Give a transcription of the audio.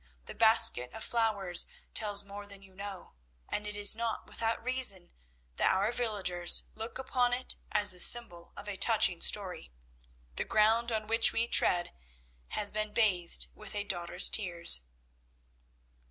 The basket of flowers tells more than you know, and it is not without reason that our villagers look upon it as the symbol of a touching story. The ground on which we tread has been bathed with a daughter's tears."